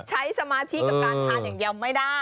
สมาธิกับการทานอย่างเดียวไม่ได้